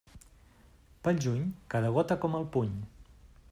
Pel juny, cada gota, com el puny.